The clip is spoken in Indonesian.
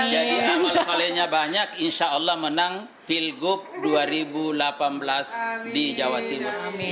jadi amal solehnya banyak insya allah menang vilgub dua ribu delapan belas di jawa timur